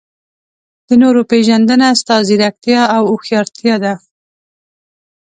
د نورو پېژندنه ستا ځیرکتیا او هوښیارتیا ده.